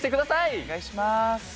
お願いします。